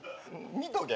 見とけよ。